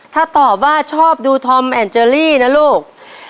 ถ้าตอบว่าชอบดูธอมแอนเจอรี่นะลูก